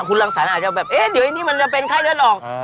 คุณรังสรรค์อาจจะแบบเอ๊ะเดี๋ยวนี้มันจะเป็นไข้เลือดออก